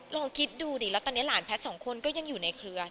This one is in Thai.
ลองคิดดูดิแล้วตอนนี้หลานแพทย์สองคนก็ยังอยู่ในเครือ